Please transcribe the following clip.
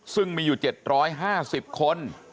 ซึ่งมีอยู่๗๕๐คน